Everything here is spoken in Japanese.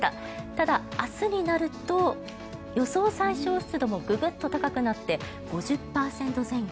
ただ、明日になると予想最小湿度もググッと高くなって５０％前後。